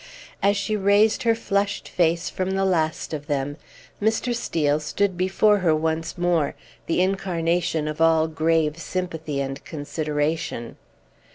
As she raised her flushed face from the last of them, Mr. Steel stood before her once more, the incarnation of all grave sympathy and consideration.